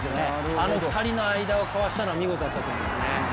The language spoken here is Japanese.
あの２人の間をかわしたのは見事だったと思いますね。